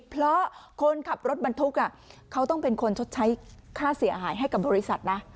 เพราะคนขับรถบรรทุกเขาต้องเป็นคนชดใช้ค่าเสียหายให้กับบริษัทนะ